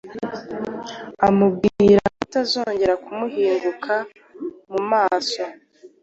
amubwira kutazongera kumuhinguka mu maso.